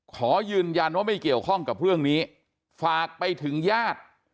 ขอยืนยันว่าไม่เกี่ยวข้องกับเรื่องนี้ฝากไปถึงญาติ